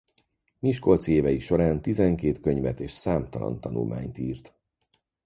Miskolci évei során tizenkét könyvet és számtalan tanulmányt írt.